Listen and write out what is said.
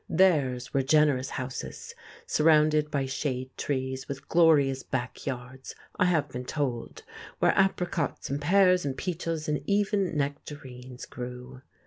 Theirs were generous houses surrounded by shade trees, with glorious back yards I have been told where apricots and pears and peaches and even nectarines grew.